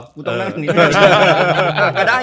กูต้องนั่งตรงนี้เลย